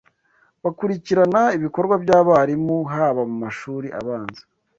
bakurikirana ibikorwa byabarimu haba mumashuri abanza